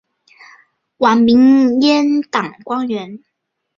晚明阉党官员。